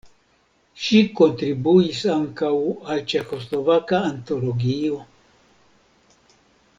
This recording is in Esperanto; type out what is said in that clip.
Ŝi kontribuis ankaŭ al "Ĉeĥoslovaka Antologio".